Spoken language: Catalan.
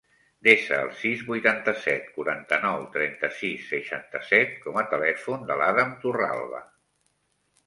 Desa el sis, vuitanta-set, quaranta-nou, trenta-sis, seixanta-set com a telèfon de l'Adam Torralba.